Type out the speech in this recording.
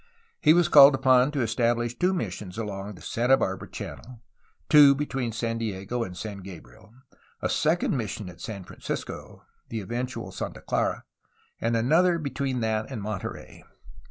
He was called upon to establish two missions along the Santa Barbara Channel, two between San Diego and San Gabriel, a second mission at San Francisco (the eventual Santa Clara), and another between that and Monterey.